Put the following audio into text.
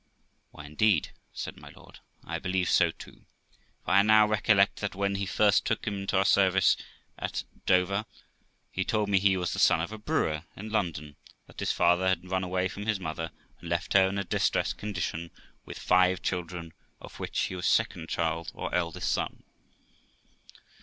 Why, indeed', said my lord, 'I believe so too, for I now recollect that when we first took him into our service at Dover, he told me he was the son of a brewer in London; that his father had run away from his mother, and left her in a distressed condition with five children, of which he was second child, or eldest son.'